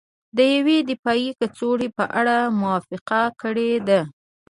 د یوې دفاعي کڅوړې په اړه موافقه کړې ده